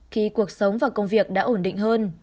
khi cuộc sống và công việc đã ổn định hơn